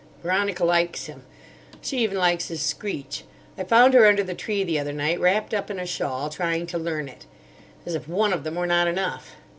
Veronica likes him. She even likes his screech. I found her under the tree the other night, wrapped up in a shawl, trying to learn it. As if one of them were not enough!